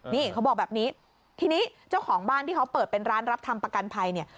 นี่เขาบอกแบบนี้ทีนี้เจ้าของบ้านที่เขาเปิดเป็นร้านรับทำประกันภัยเนี่ย